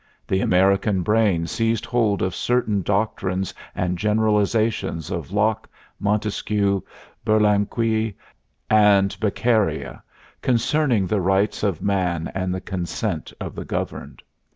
The American brain seized hold of certain doctrines and generalizations of Locke, Montesquieu, Burlamaqui and Beccaria concerning the rights of man and the consent of the governed.